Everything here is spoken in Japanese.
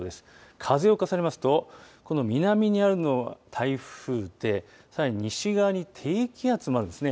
風を重ねますと、この南にあるのは台風で、さらに西側に低気圧もあるんですね。